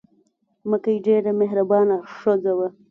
مکۍ ډېره مهربانه ښځه وه.